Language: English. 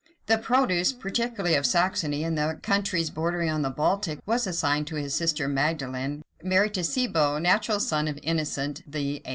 The produce, particularly of Saxony and the countries bordering on the Baltic, was assigned to his sister Magdalene, married to Cibo, natural son of Innocent VIII.